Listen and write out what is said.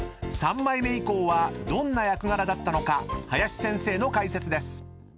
［三枚目以降はどんな役柄だったのか林先生の解説です］